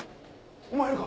お前やるか？